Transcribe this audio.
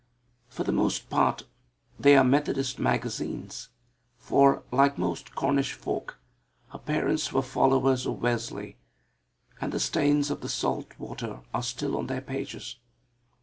For the most part they are Methodist Magazines for, like most Cornish folk, her parents were followers of Wesley and the stains of the salt water are still on their pages.